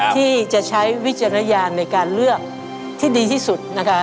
ที่จะใช้วิจารณญาณในการเลือกที่ดีที่สุดนะคะ